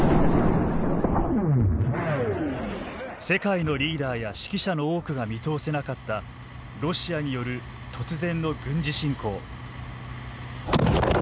世界のリーダーや識者の多くが見通せなかったロシアによる突然の軍事侵攻。